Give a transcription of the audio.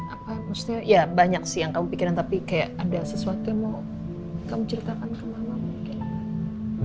apa maksudnya ya banyak sih yang kamu pikirin tapi kayak ada sesuatu yang mau kamu ceritakan kemana mungkin